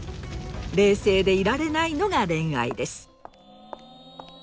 冷静でいられないのが恋愛です。